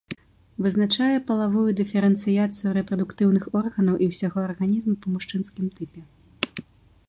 Вызначае палавую дыферэнцыяцыю рэпрадуктыўных органаў і ўсяго арганізма па мужчынскім тыпе.